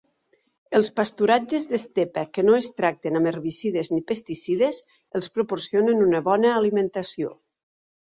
Els pasturatges d'estepa que no es tracten amb herbicides ni pesticides els proporcionen una bona alimentació.